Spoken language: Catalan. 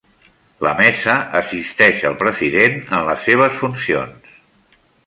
La Mesa assisteix al President en les seves funcions.